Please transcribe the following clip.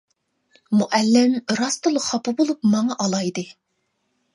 مۇئەللىم راستتىنلا خاپا بولۇپ ماڭا ئالايدى.